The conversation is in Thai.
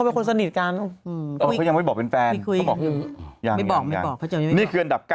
ไมค์นี่ถึงเป็นแฟน